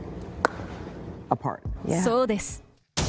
そうです。